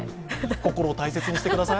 心を大切にしてください。